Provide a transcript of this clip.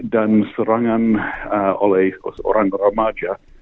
dan serangan oleh orang orang maja